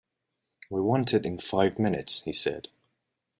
“I want it in five minutes,” he said.